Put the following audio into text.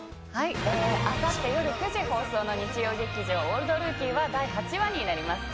あさって夜９時放送の日曜劇場「オールドルーキー」は第８話となります。